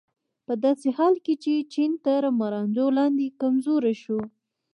په داسې حال کې چې چین تر مراندو لاندې کمزوری شو.